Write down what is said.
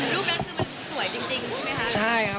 รูปนั้นคือมันสวยจริงใช่ไหมคะ